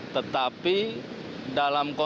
tetapi dalam konteksnya